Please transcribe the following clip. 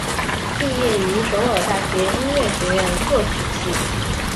毕业于首尔大学音乐学院作曲系。